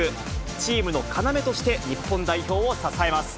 チームの要として、日本代表を支えます。